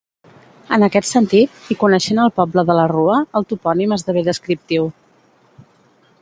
En aquest sentit, i coneixent el poble de la Rua, el topònim esdevé descriptiu.